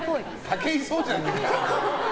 武井壮じゃねえか！